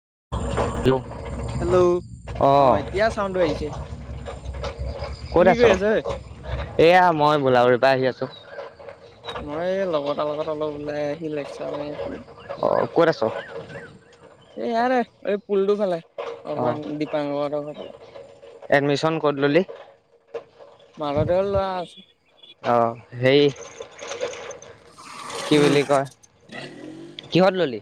ক [inaudible] হেল্ল' অ এতিয়া চাউণ্ড আহিছে, কি ক'ত আছ কৰি আছে ঐ এয়া মই বোলাবৰীৰ পৰা আহি আছোঁ। মই এই লগ এটা লগত অলপ ওলাই আহি লেকচা মাৰি আছো। অ কত আছ? এই ইয়াৰে এই পুলটো ফালে অঁ অকমান দীপাংক হেত ঘৰ ফালে। এডমিশ্যন কত ললি? মাজতে লোৱা আছে। অ সেই কি উম বুলি কয়, কিহত ললি?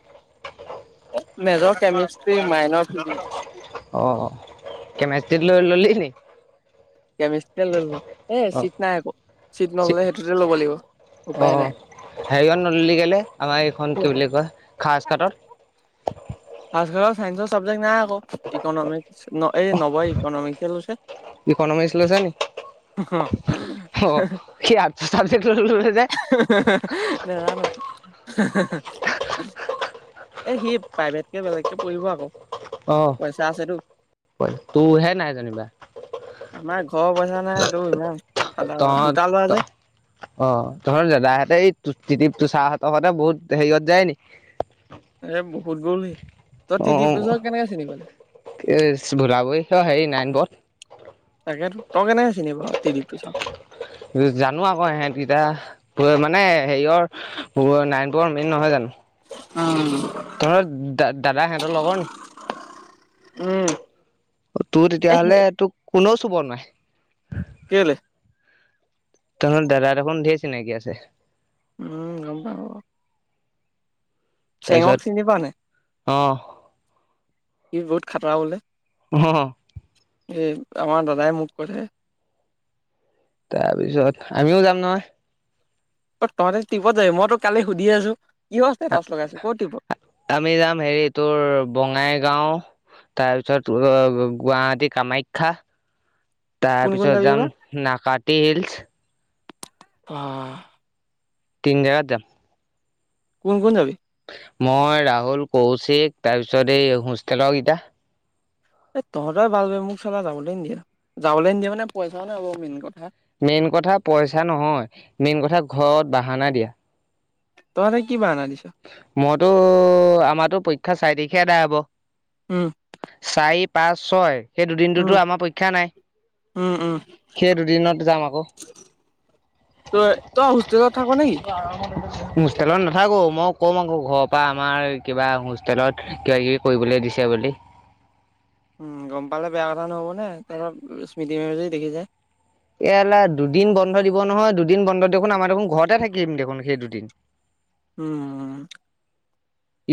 Major chemistry minor physics. অ কেমেষ্ট্ৰী লৈ ললি নি? কেমিষ্ট্ৰি ললো। এ অঁ চিট নাই আকৌ চিট নললে সেইটোতে ল'ব লাগিব উপায় নাই। হেৰিয়ান নদী গেলে আমাৰ এইখন কি বুলি কয় খাজ কাটত। উ [inaudible] ফ কাৰৰ ছাইন্সৰ ছাবজেক্ট নাই আক ইকনমিক্স এই নৱয় ইকনমিক্স লৈছে [inaudible] ইকনমিক্স লৈছে নেকি? অঁ। আৰ্টছৰ চাবজেক্ট ললে যে নাজানো। এ' সি প্ৰাইভেটকে বেলেগকে পঢ়িব আকৌ। পইচা আছেতো অ' তোৰহে নাই যেনিবা। ঘৰ পইচা নাই তটো ইমানাদ দুটাাল লোৱা যে [inaudible] অ', তহঁতৰ দাদাহঁতে, এই তিদিপ, তুচাহঁতৰ সৈতে বহুত হেৰিয়ত যায় নি? এ, বহুত গ'ল সি। তই তিদিপ, তুচাক কেনেকে চিনি পালি? এচ, [unintelligible] হেৰি, নাৰায়ণ পথ। তাকেটো। তই কেনেকে চিনি পাৱ তিদিপ তুচাক? জানো আকৌ, সহঁতকিটা। [unintelligible] মানে হেৰিয়ৰ, নাৰায়ণপুৰৰ মেইন নহয় জানো? উম। তহঁতৰ দা-দাদা সেহেঁতৰ লগৰ নি? উম। অ, তোৰ তেতিয়াহ'লে, এ তোক কোনেও চুব নোৱায়ে। কেলে তহঁতৰ দাদা দেখোন ধেৰ চিনাকি আছে? উম, গ'ম পাব। তাৰপিছত, পাৱ নাই অ'হ। সি বহুত খাতৰা বোলে? হ, হ। এই আমাৰ দাদাই মোক। [unintelligible] তাৰপিছত, আমিও যাম নহয়? অ, তহঁতে টিপত যবি। মই তোক কালি শুধি আছোঁ। আ-আ-আমি যাম হেৰি, তোৰ বঙাইগাওঁ, তাৰপিছত ৱ, ব, ৱ, গুৱাহাটী কামাখ্যা। কোন কোন তাৰপিছত যাবি বা যাম নাকাটি হিল্চ্। অ', অ'। তিনি জেগাত যাম। কোন কোন যাবি? মই ৰাহুল, কৌশিক, তাৰপিছত এই হোষ্টেলৰকিটা। এ তহঁতৰে ভাল! ! ! ! ! ! ! ! ! !। মোক! ! ! ! ! ! ! ! ! ! যাবলৈ নিদিয়ে। যাবলৈ নিদিয়ে মানে পইচাও নাই বাৰু, মেইন কথা। মেইন কথা পইচা নহয়, মেইন কথা ঘৰত বাহানা দিয়া। তহঁতে কি বাহানা? [unintelligible] মইতো, আমাতো পৰীক্ষা চাৰি তাৰিখে এটা হ'ব। উম চাৰি, পাঁচ, ছয় সেই উম দুদিনটোতো আমাৰ পৰীক্ষা নাই। উম উম সেই দুদিনত যাম আকৌ। তই-তই হোষ্টেলত থাক নেকি? হোষ্টেলত নাথাকোঁ। মই কম আকৌ ঘৰৰ পা আমাৰ, কিবা হোষ্টেলত কিবা কিবি কৰিবলৈ দিছে বুলি। উম, গ'ম পালে বেয়া কথা নহ'ব নে? তহঁতক স্মৃতি মেমে যদি দেখি যায়? ! ! ! ! ! ! ! ! ! !, দুদিন বন্ধ দিব নহয়, দুদিন বন্ধত দেখোন, আমাৰ দেখোন, ঘৰতে থাকিম দেখোন, সেই দুদিন। উম, উম।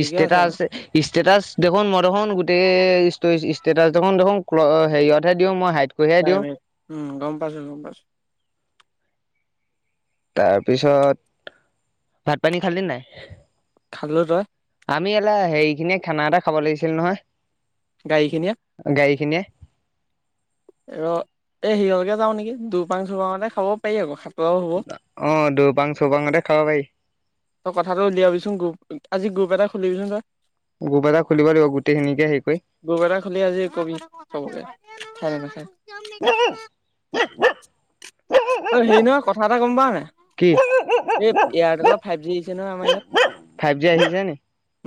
ইচষ্টেটাছ-ইচষ্টেটাছ দেখোন ম দেখোন, গোটেই ইচষ্টই, ইচষ্টেটাছ দেখোন-দেখোন ক্ল, হেৰিয়তহে দিওঁ, মই হাইট প্ৰাইভেত। উম, গ'ম পাইছোঁ, গ'ম পাইছোঁ। তাৰ পিছত, ভাত-পানী খালিন নাই? খালোঁ, তই? আমি! ! ! ! ! ! ! ! ! !, হেৰিখিনিয়ে খানা এটা খাব লাগিছিল নহয়? গাড়ীখিনিয়ে গাড়ী খিনিয়ে। এ, ৰ, এই [unintelligible] কে যাওঁ নেকি, দুুপাং চুপাঙতে খাব পাৰি আকৌ, খা অ', দুবাং চোপাংতে খাব পাৰি। তই কথাটো উলিয়াবিচোন গ্ৰুপ, আজি গ্ৰুপ এটা খুলিবিচোন তই। গ্ৰুপ এটা খুলিব লাগিব গোটেইখিনিকে হেৰি কৰি গ্ৰুপ এটা খুলি আজি কবি, সবকে। ঠেক আছে। উম [unintelligible] অ', হেৰি নহয়, কথা এটা গম পাৱন নাই? কি এই এয়াৰটেলত ফাইভ জি দিছে ন আমাৰ ইয়াত। ফাইভ জি আহিছে নি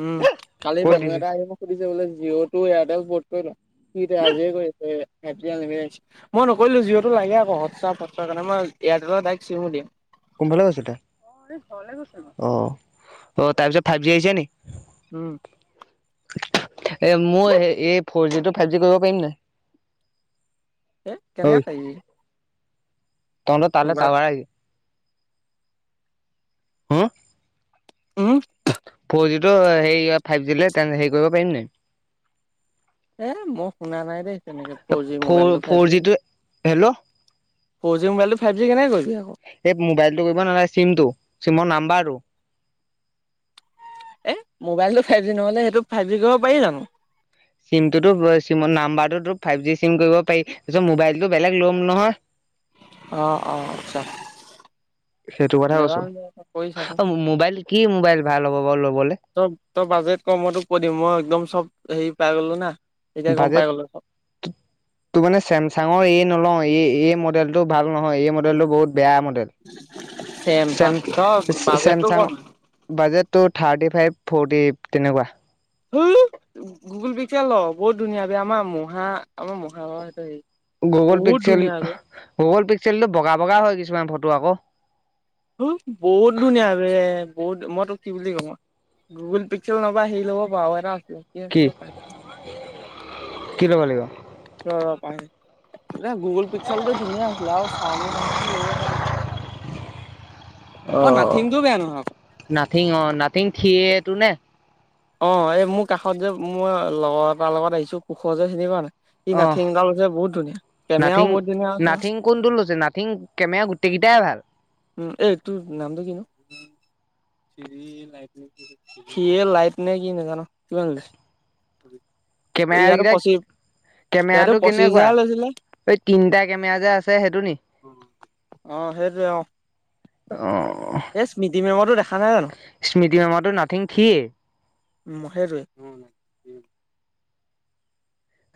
উম, কালি ক'ত মানুহ দিছে এটা আহি সুধিছে, বোলে জিঅ' টো এয়াৰটেল বত কৰি ল সি আজিয়ে কৰিছে। মই নকৰিলো জিওতো লাগে আকৌ হস্পট। চ নাম এয়াৰটেলৰ তাইক চিমু দিম। কোন ফালে গৈছে তাই, অ'তাৰপিছত ফাইভ জি আহিছে নেকি? উম' এ মোৰ এই ফৰ জি টো ফাইভ জি কৰিব পাৰিম নাই এ কেনেকে পাৰিবি। তহত তালৈ মোবাইল টাৱাৰ আহিল হম, উম' ফৰ জিটো সেই ফাইভ জি হেৰি কৰিব পাৰিম নাই। এ, মই শুনা নাই দেই তেনেকে ফ'ৰ জি মোবাইলটো ফ'ৰ ফাইভ জি, জিটো হেল্ল' ফ' জি মোাইল টো ফাইভি কেনে কৰিলি? এই মোবাইলটো কৰিব নালাগ। চিমটো চিমৰ নাম্বাৰটো, এ মোবাইল টো ফাইভ জি নহ'লে সেইটো ফাইভ জি কৰিব পাৰি জানো চিমটোতো চিম নাম্বাৰটো ফাইভ জি চিম কৰিব পাৰি। তাৰিছত মোবাইলতটো বেলেগ লম নহয়। অ-অ, আচ্ছা ', সেইটো কথা কৈছোঁ। অ' মোবাইল কি মোবাইল ভাল হ'ব বাৰু ল'বলে। চব, তই বাজেট কম হোৱাটো কৈ দিবি। মই একদম চব হেৰি পাই গলোঁ না। এতিয়া গম বাজেট পাই গ'লো। ত মানে, চেমচাঙৰ এই নলওঁ এই, মডেল টো ভাল নহয়, এই মডেল টো বহুত বেয়া মডেল। ছেম- চেমচাং বাজেটটো চেমচাংৰ কম বাজেটটো থাৰ্টি ফাইভ। ফৰটি এইট তেনেকুৱা। হ গুগুল পিকচাৰ ল বহুত ধুনীয়া, আমাৰ মহা আমাৰ মহা গুগল বহুত পিক্সেল, ধুনীয়া বে গুগল পিক্সেলটো বগা বগা হয় কিছুমান ফটো আকৌ। বহুত ধুনীয়া বে বহুত মইতো কি বুলি ক গুগুল পিক্সেল নবা হেৰি ল'ব পাৰ এটা, লাকি কি আহিব পাৰে [unintelligible] কি ল'ব লাগিব ৰ ৰ মই গুগল পিক্সেলটো ধুনীয়া আছিলে, আৰু সাওমি- তাওমিন লব পৰা। অ' বেয়া নহয় আক। নাথিং অ' নাথিং থিয়ে টো নে? অ' এই মোৰ কাষত যে মই লগৰ তাৰ লগত আহিছো কুখৰ যে চিনি পোৱা নাই? সি নাথিং অ' এটা লৈছে বহুত ধুনীয়া কেমেৰাও বহুত ধুনীয়া আছে নাথিং-নাথিং কোনটো লৈছে নাথিং কেমেৰা গোটেই কিইতা দূটাই ভাল। উম, এ তোৰ নামটো কিনো? থ্ৰি লাইট নে কি নাজানো কিমান লৈছে? ইয়াৰ কেমেৰাকেইটা পচি কেমেৰাটো কেনেকুৱা? এই তিনিটা কেমেৰা যে আছে সেইটো নি? অ সেইতো এই। অ এই স্মিডি মেমৰটো দেখা নাই জানো? স্মৃতি মেমৰটো নাথিং থ্ৰীয়ে মহে ৰুই।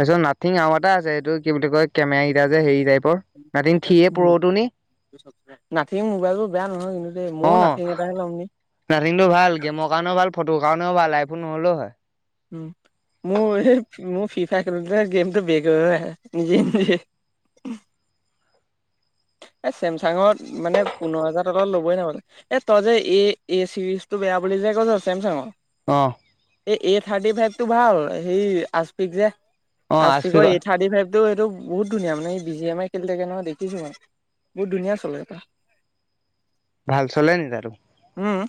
তাৰপিছত নাথঙ আৰু এটা আছে, এইটো কি বুলি কয় কেমেৰা কেইটা যে হেৰি টাইপ, নাথিং থিয়ে পৰ টো নি? নাথিং মোবাইলটো বেয়া নহয় কিন্তু, অ ময়ো নাথিং এটাহে ল'ম ন। নাথিংটো ভাল গেমৰ কাৰণেও ভাল, ফটো কাৰণেও ভাল, আইফোন নহ'লেও হয়। উম, মোৰ এই মোৰ ফিফা গেমটো বেক হৈ আহে, নিজে-নিজে। উম, [unintelligible] এ চেমচাঙত মানে পোন্ধৰ হাজাৰ তলত ল'বই নোৱাৰি মানে, এই তয় যে তই য এ চিৰিজ টো বেয়া বুলি চেমচাঙৰ অ এই এ থাৰ্টি ফাইভ টো ভাল, সেই আচপিক যে আচফিকৰ এ থাৰ্টি ফাইভ টো সেটো বহুত ধুনীয়া মানে বি জিএমআই খেলি থাকে নহয় দেখিছো মই। বহুত ধুনীয়া চলে তা ভাল চলে নি তাৰ তো? উম',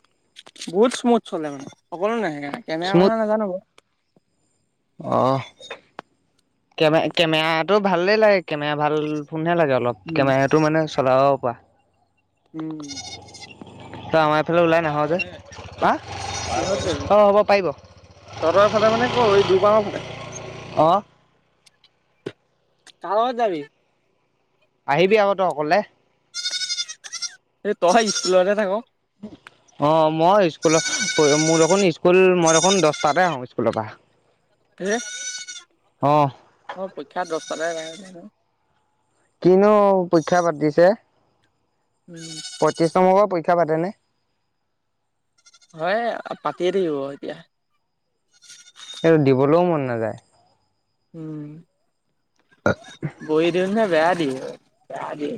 বহুত স্মুথ চলে মানে সকলো কেমেৰা কথা নাজানো বাৰু। অ কেমেঅ কেমেৰাটো ভালেই লাগে, কেমেৰা ভাল ফোনহে লাগে অলপ, উম কেমেৰাটো মানে চলাব পৰা। উম। হেল'? ওলাই নাহ যে? বা? পাৰ কিহত হয় না? যাবি অ', হ'ব পাৰিব। তহঁতৰ ফালে মানে ক এই দুবাৰৰ ফালে অ'। কাৰ লগত যাবি? আহিবি আক তই অকলে। এই তই স্কুলতহে থাক। অ' মই স্কুলত- মোৰ দেখোন স্কুল- মই দেখোন দশটাতে আহোঁ স্কুলৰ পৰা। এই, অ অ' পৰীক্ষা দশটাত হে [unintelligible] কিনো পৰীক্ষা পাতিছে? উম পয়ত্ৰিশ নম্বৰৰ পৰী ক্ষা পাতেনে? হয়ে, পাতিয়ে থাকিব এতিয়া। সেইটো দিবলৈও মন নাযায়। উম। বইৰি ন [unintelligible] জি [unintelligible]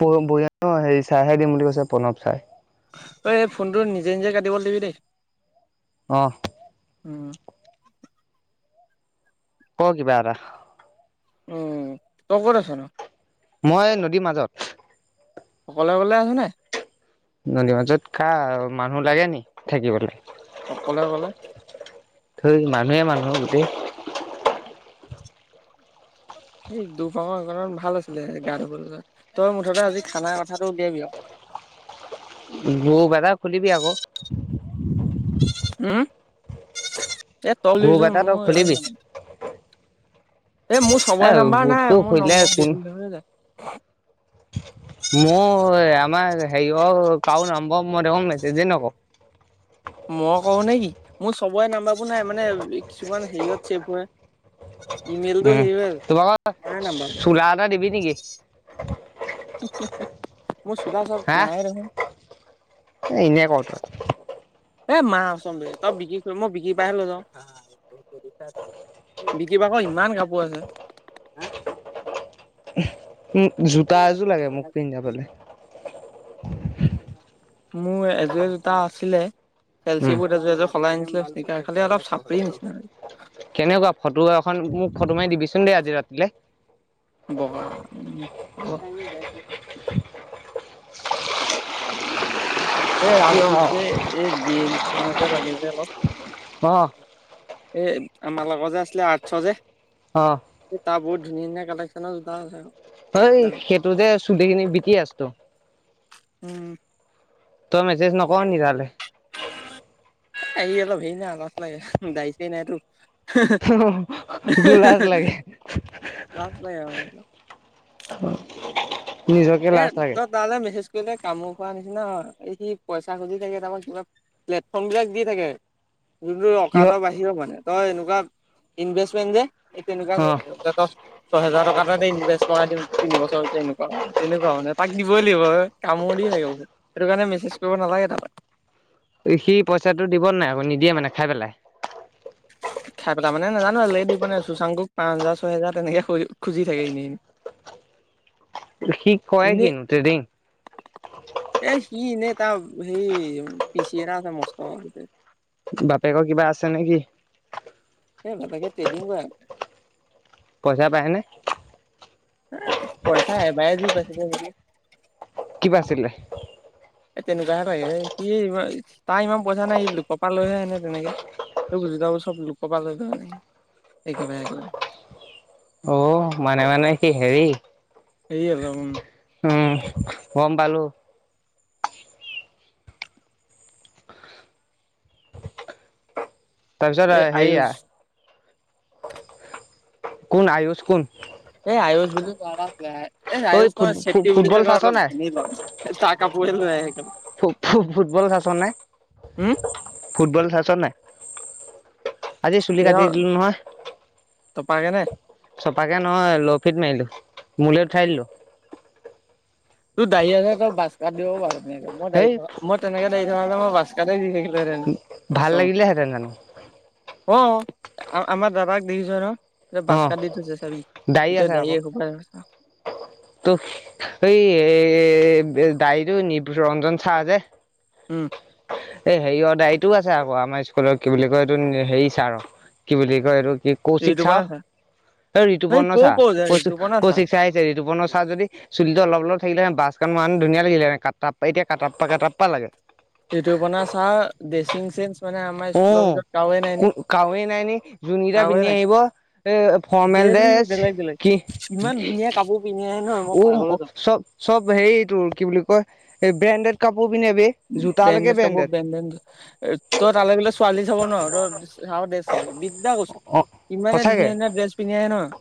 [unintelligible] হেৰি চাৰে দিম বুলি কৈছে প্ৰণৱ চাৰে। ঐ' এই এই ফোনটো নিজে নিজে কাটিব লাগিবি দেই। অ' উম' ক' কি'বা এটা? উম। তই কত আছ নো? মই নদীৰ মাজত। অকলে অকলে আছো নে? নদী মাজত কা মানুহ লাগে নি থাকিবলৈ। অকলে অকলে। থৈ মানুহে মানুহ গোটেই। অ' এই দ্ৰোপাং সেইকনত ভাল আছিলে গা ধুবলৈ, তই মুঠতে আজি খানা কথাটো উলিয়াবি আৰু। [unintelligible] গ্ৰুপ এটা খুলিবি আকৌ। উম! এ তলি য গ্ৰুপ এটা তই মই খুলিবি [unintelligible] এই মোৰ এ সবৰে নম্বৰ নাই, গ্ৰুপটো মোৰ খুলিলে নম্বৰ কোন দিলিত হৈ যায় মোৰ আমাৰ হেৰি অ কাৰ নাম্ব মই দেখোন মেছেজে নকৰো। মই কওঁ নে কি? মোৰ চবৰে নাম্বাৰবোৰ নাই, মানে কিছুমান হেৰিয়ত চেভ হৈ ইমিলটো উম সেই হৈ আছে। তোমাক নাই নামবাৰ চোলা এটা দিবি নেকি মোৰ চোলা চব হা নাই নহয়। এনে ক তই এ মা কচম বে। তই বিকিক ক মই বিকি পৰা হে লৈ যাও। বিকি ভাগৰ ইমান কাপোৰ আছে। উম। জোতা এযোৰ লাগে মোক পিন্ধাবলৈ। মোৰ এযোৰ এ জুতা আছিলে, চেলচি উম বত এযোৰ এযোৰ সলাই নিছিল খালি অলপ চাপৰি নিচিনা। কেনেকুৱা ফটো এখন মোক ফটো মাৰি দিবিচোন দেই আজি ৰাতিলে। বগা এই ৰাজদ্বীপ যে, অ এই গে নিচিনা যে লাগে যে অলপ। অ' এই আমাৰ লগৰ যে আছিলে। আৰ্টচৰ যে ধুনীয়া ধনীয়া কালেক্ননৰ জোটা আছে। ঐ দামী। সেইটো যে চুধখিনি বিক আছো উম। তই মেছেজ নকৰ নি তালে? এই অলপ হেৰি না লাজ লাগে। দাড়ি- চাৰি নাইতো। হে হে তোৰ অহ হে লাজ হে লাগে লাজ লগে মানে অলপ নিজকে এ লাজ লাগে। তই তালৈ মেছেজ কামোৰ খোৱা নিচিনা। এই সি পইচা খুজি থাকে। তাৰ পিছত কিবা প্লেটফৰ্ম বিলাক দি থাকে। যোনটো কিয় অকাতৰ বাহিৰ মানে, তই এনেকুৱা ইনভেষ্টমেণ্ট যে এই তেনেকুৱা অ কৰি থাকে। ছয় হোজাৰ টকা ততে ইনভেষ্ট কৰাই দিম তিন বছৰ এনেকুৱা তেনেকুৱা মানে তাক দিবই লাগিব আৰু কামো দি থাকে। সেইটো কাৰণে মেছেজ কৰিব নালাগে তালে। সি পইচাটো দিব নে নাই আকৌ? নিদিয়ে মানে খাই পেলাই। তাৰ মানে নাজানো দিব নে। চুশাংকুক পাঁচ হাজাৰ, ছয় হাজাৰ তেনেকে খুজি থাকে। এনেই সি কয় এনে ম, কিনো ট্ৰেডিং এ সিনে এটা হে পিচি এটা আছে মস্ত। [inaudible] বাপেকৰ কিবা আছে নেকি? সেই বাপেকে ট্ৰেডিং কৰা পইচা পায়নে? বছ [inaudible] কিবা আছিল এ' তেনেকুৱাহে লাগে সি তাৰ ইমান পইচা নাই কপাল লৈহে আনে তেনেকে। চব লোকক পাল নাই একেবাৰে একেবাৰে। অ' মানে - মানে কি হেৰি সেৰি আকৌ উম। উম গম পালো। তাৰপিছত এই আয়ুষ সেইয়া কোন আয়ুষ কোন? এই আয়ুস বুলি ল'ৰা আছিল এ' ঐ আয়ুস ফুট নহয় চেত্ৰী বুলি ফুটবল কয় চাইছ অলপ নাই ধনী ল'ৰাটো - - কাপোৰে লৈ আহে, ফ ফুটবল চাছ নাই, হম ফুটবল চাইছ নাই আজি চুলি কাটি দিলো নহয়। পাগেনে। চপাকে নহয় লফিত মাৰিলো মলৈ উঠাই দিলো। তোৰ দাৰি [unintelligible] মই দি মই তেনেকে, সেই মই দাৰি থকা হেতেন [unintelligible] দি থাকিলো হেতেন, ভাল লাগিলেহেঁতেন জানো। অ আমাৰ দাদাক দেখি চএ ন, এ অ ভচ কা দি থৈছে চাবি গোটেই দাইয়া খোপাই, ত এই এ দাইটো নি ৰঞ্জন চাহ যে, উম, এ হেৰিয় দাইটো আছে আকৌ আমাৰ স্কুলত কি বুলি কয় এইটো হেৰি চাৰ কি বুলি কয় এইটো, কি কৌশিক চা ঋতুপৰ্ণা ছাৰ তই হেই ঋতুপৰ্ণ কৰ চা কৰ যে কৌ ঋতুপৰ্ণা ছাৰ কৌশিক চাই আহিছে ঋতুপৰ্ণ চ যদি চুলিতটো অলপ অলপ থাকিলে বাছখন মান ধুনীয়া লাগিলে হ'লে এতিয়া কাটা পা কাটা পা লাগে। এইটোপনা চা ডেচিং চে, অ ক কাৱেই নাই নি যোন কেইটা কাৰোৱে পিন্ধি নাই আহিব এ ফৰ্মেল, ডেইলি দেশ বেলেগ বেলেগ কি ইমান ধুনীয়া কাপোৰ পিন্ধি আহে নহয় মই পাগলত যাওঁ চব চব হেৰি তোৰ, কি বুলি কয় ব্ৰেডেড, বেডেড কাপোৰ বেনডেন ত তালে গলে ছোৱালী চাব ন ত ড্ৰেছ চাবি দিগদাৰ কৈছো অঁ ইমানে সঁচাকৈ ধুনীয়া ধুনীয়া ড্ৰেছ পিন্ধি আহে ন।